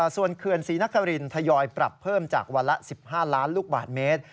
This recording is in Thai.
ส่วนเขื่อนศรีนครินทยอยปรับเพิ่มจากวันละ๑๕ล้านลูกบาทเมตร